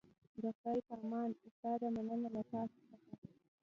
د خدای په امان استاده مننه له تاسو څخه